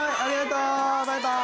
バイバイ。